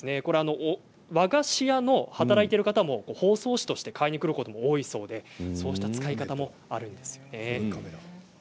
和菓子屋で働いている方も包装紙として買いに来る方が多いそうでそうした使い方もあるんですよね。